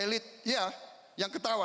elit ya yang ketawa